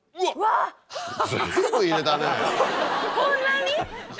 こんなに？